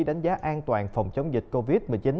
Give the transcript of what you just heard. đánh giá an toàn phòng chống dịch covid một mươi chín